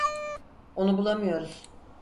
Onu bulamıyoruz.